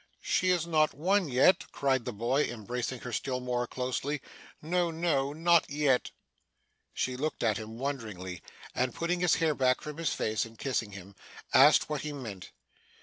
'She is not one yet!' cried the boy, embracing her still more closely. 'No, no. Not yet.' She looked at him wonderingly, and putting his hair back from his face, and kissing him, asked what he meant.